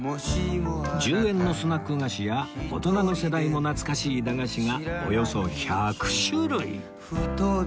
１０円のスナック菓子や大人の世代も懐かしい駄菓子がおよそ１００種類